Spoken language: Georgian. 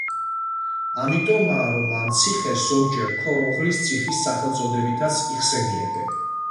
ამიტომაა, რომ ამ ციხეს ზოგჯერ ქოროღლის ციხის სახელწოდებითაც იხსენიებენ.